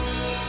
oleh sebab itu